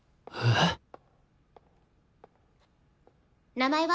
名前は？